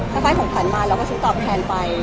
ถ้าฟายผมผ่านมาก็คือตอบแทนไป